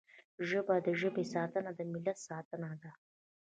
ژبه د ژبې ساتنه د ملت ساتنه ده